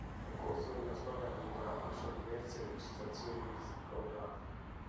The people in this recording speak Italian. Nel corso della sua carriera lasciò diverse registrazioni discografiche.